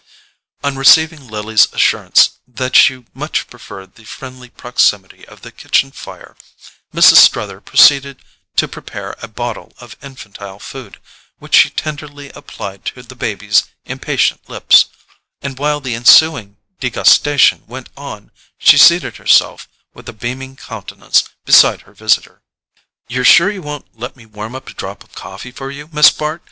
On receiving Lily's assurance that she much preferred the friendly proximity of the kitchen fire, Mrs. Struther proceeded to prepare a bottle of infantile food, which she tenderly applied to the baby's impatient lips; and while the ensuing degustation went on, she seated herself with a beaming countenance beside her visitor. "You're sure you won't let me warm up a drop of coffee for you, Miss Bart?